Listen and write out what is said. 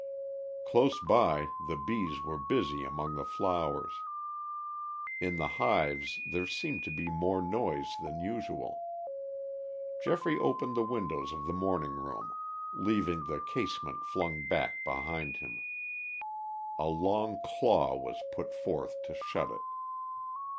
Close by the bees were busy among the flowers. In the hives there seemed to be more noise than usual. Geoffrey opened the windows of the morning room, leaving the casement flung back behind him. A long claw was put forth to shut it.